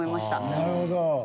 なるほどね！